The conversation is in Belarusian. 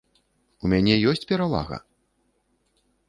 У мяне ёсць перавага!